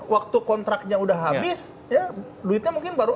waktu kontraknya sudah habis ya duitnya mungkin banyak